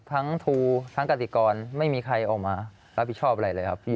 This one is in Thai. ครูทั้งกติกรไม่มีใครออกมารับผิดชอบอะไรเลยครับพี่